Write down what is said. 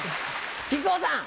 木久扇さん。